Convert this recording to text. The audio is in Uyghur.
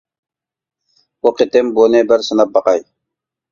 بۇ قېتىم بۇنى بىر سىناپ باقاي.